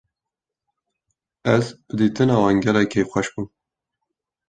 Ez bi dîtina wan gelekî kêfxweş bûm.